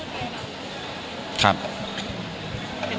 คุณสัมผัสดีครับ